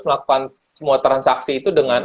melakukan semua transaksi itu dengan